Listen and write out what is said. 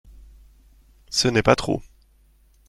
Ce n'est pas trop.